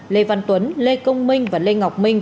lê văn tuấn lê công minh và lê ngọc minh